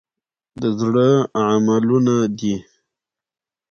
د زړه عملونه دي .